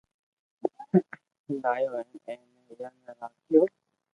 ٺايو ھين اي ۾ ھيرن ني راکييو